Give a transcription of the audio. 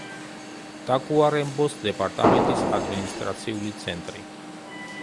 ტაკუარემბოს დეპარტამენტის ადმინისტრაციული ცენტრი.